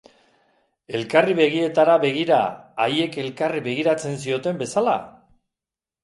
Elkarri begietara begira, haiek elkarri begiratzen zioten bezala?